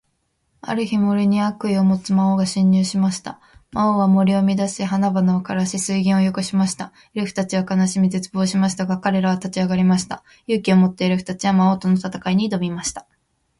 ある日、森に悪意を持つ魔王が侵入しました。魔王は森を乱し、花々を枯らし、水源を汚しました。エルフたちは悲しみ、絶望しましたが、彼らは立ち上がりました。勇気を持って、エルフたちは魔王との戦いに挑みました。